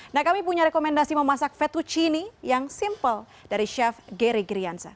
nah kami punya rekomendasi memasak fettuccine yang simple dari chef geri girianza